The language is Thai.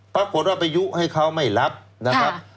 ปรากฏว่าไปยุให้เขาไม่รับนะครับ